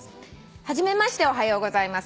「初めましておはようございます」